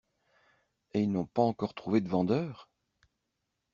Et ils n'ont pas encore trouvé de vendeur!